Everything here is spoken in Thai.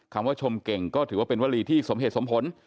คำว่าชมเก่งก็ถือว่าเป็นวลีที่สมเหตุสมผล